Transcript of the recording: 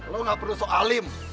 lo nggak perlu soalim